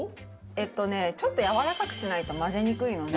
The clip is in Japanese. えっとねちょっとやわらかくしないと混ぜにくいので。